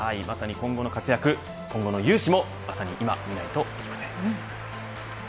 今後の活躍、今後の雄姿もまさに今、見ないといけません。